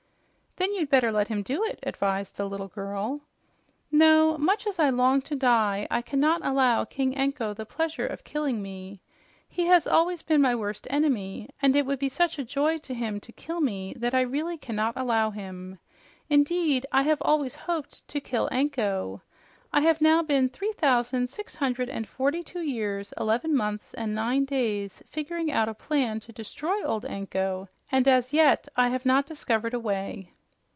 "Then you'd better let him do it," advised the little girl. "No. Much as I long to die, I cannot allow King Anko the pleasure of killing me. He has always been my worst enemy, and it would be such a joy to him to kill me that I really cannot allow him. Indeed, I have always hoped to kill Anko. I have now been three thousand six hundred and forty two years, eleven months and nine days figuring out a plan to destroy old Anko, and as yet I have not discovered a way."